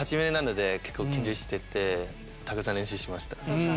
そっか。